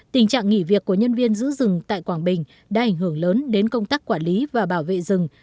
tình trạng nghỉ việc của nhân viên giữ rừng tại quảng bình đã ảnh hưởng lớn đến công tác quản lý và bảo vệ rừng